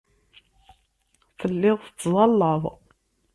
Telliḍ tettẓallaḍ.